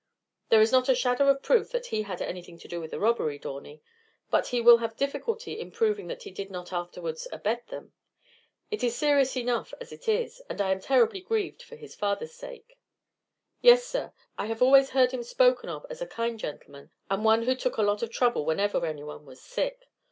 "There is not a shadow of proof that he had anything to do with the robbery, Dawney, but he will have difficulty in proving that he did not afterwards abet them. It is serious enough as it is, and I am terribly grieved for his father's sake." "Yes, sir; I have always heard him spoken of as a kind gentleman, and one who took a lot of trouble whenever anyone was sick.